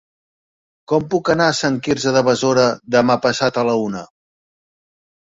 Com puc anar a Sant Quirze de Besora demà passat a la una?